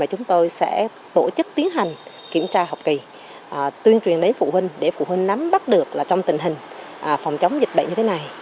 chúng tôi sẽ tổ chức tiến hành kiểm tra học kỳ tuyên truyền đến phụ huynh để phụ huynh nắm bắt được trong tình hình phòng chống dịch bệnh như thế này